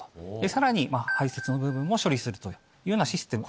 さらに排泄の部分を処理するというようなシステム